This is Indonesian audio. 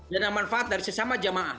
dana manfaat dari sesama jamaah